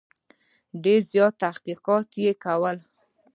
ډېر زیات تحقیقات یې وکړل.